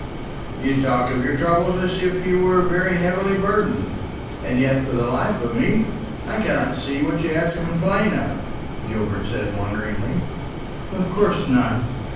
"You talk of your troubles as if you were very heavily burdened; and yet, for the life of me, I cannot see what you have to complain of," Gilbert said wonderingly. "Of course not.